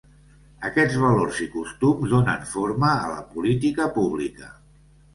Aquests valors i costums donen forma a la política pública.